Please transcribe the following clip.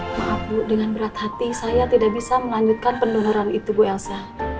maaf bu dengan berat hati saya tidak bisa melanjutkan pendonoran itu bu elsa